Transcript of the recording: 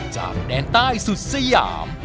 จากแดนใต้สุดสยาม